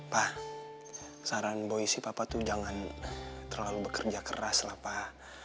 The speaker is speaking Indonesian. pak saran boy sih papa tuh jangan terlalu bekerja keras lah pak